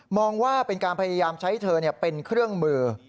ว่าเป็นการพยายามใช้เธอเป็นเครื่องมือ